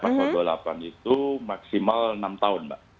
pasal dua puluh delapan itu maksimal enam tahun mbak